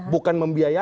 bukan membiayai loh